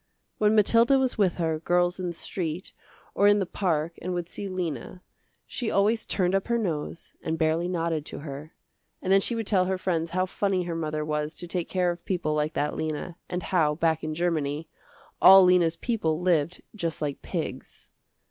When Mathilda was with her girls in the street or in the park and would see Lena, she always turned up her nose and barely nodded to her, and then she would tell her friends how funny her mother was to take care of people like that Lena, and how, back in Germany, all Lena's people lived just like pigs.